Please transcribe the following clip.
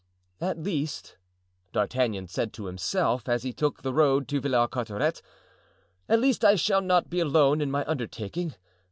"At least," D'Artagnan said to himself, as he took the road to Villars Cotterets, "at least I shall not be alone in my undertaking.